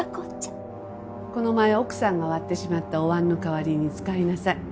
この前奥さんが割ってしまったお碗の代わりに使いなさい。